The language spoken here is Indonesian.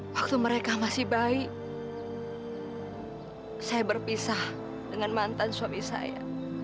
waktu mereka masih bayi saya berpisah dengan mantan suami saya